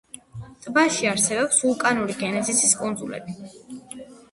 ტბაში არსებობს ვულკანური გენეზისის კუნძულები.